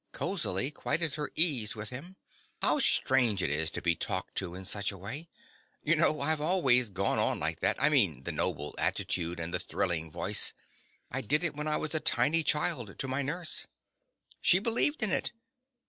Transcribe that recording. (Cosily, quite at her ease with him.) How strange it is to be talked to in such a way! You know, I've always gone on like that—I mean the noble attitude and the thrilling voice. I did it when I was a tiny child to my nurse. She believed in it.